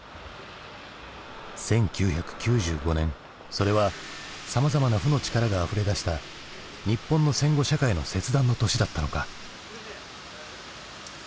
１９９５年それはさまざまな負の力があふれ出した日本の戦後社会の切断の年だったのか？